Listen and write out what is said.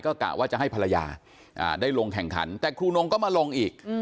ก็กะว่าจะให้ภรรยาได้ลงแข่งขันแต่ครูนงก็มาลงอีก